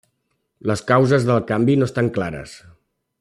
Les causes del canvi no estan clares.